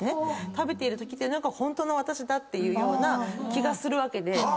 食べているときが本当の私だっていうような気がするわけで。